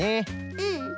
うん。